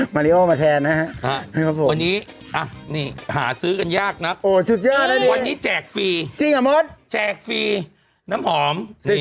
ริโอมาแทนนะฮะวันนี้นี่หาซื้อกันยากนักวันนี้แจกฟรีจริงอ่ะมดแจกฟรีน้ำหอม